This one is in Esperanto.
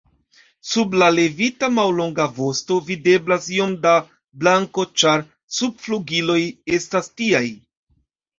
Sub la levita mallonga vosto videblas iom da blanko, ĉar subflugiloj estas tiaj.